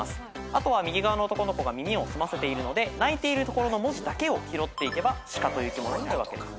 あとは右側の男の子が耳を澄ませているので鳴いているところの文字だけを拾っていけばシカという生き物になるわけです。